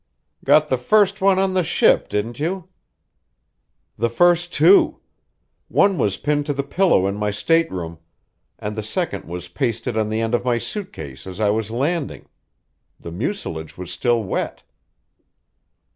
"Got the first one on the ship, did you?" "The first two. One was pinned to the pillow in my stateroom, and the second was pasted on the end of my suit case as I was landing. The mucilage was still wet."